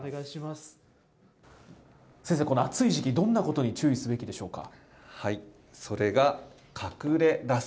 先生、この暑い時期、どんなことに注意すべきでしょうか。